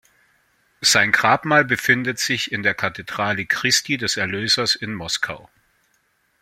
Sein Grabmal befindet sich in der Kathedrale Christi des Erlösers in Moskau.